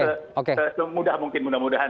semudah mungkin mudah mudahan